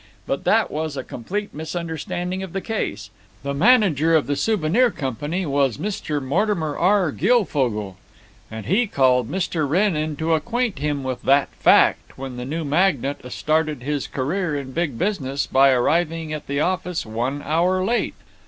But that was a complete misunderstanding of the case. The manager of the Souvenir Company was Mr. Mortimer R. Guilfogle, and he called Mr. Wrenn in to acquaint him with that fact when the new magnate started his career in Big Business by arriving at the office one hour late.